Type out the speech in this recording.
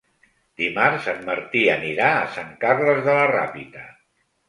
Dimarts en Martí anirà a Sant Carles de la Ràpita.